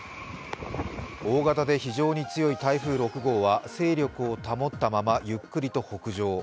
大型で非常に強い台風６号は勢力を保ったままゆっくりと北上。